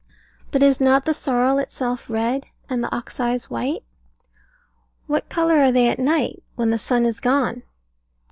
But is not the sorrel itself red, and the oxeyes white? What colour are they at night, when the sun is gone?